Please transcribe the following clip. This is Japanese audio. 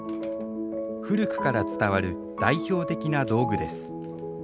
古くから伝わる代表的な道具です。